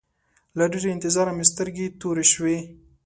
له ډېره انتظاره مې سترګې تورې شوې.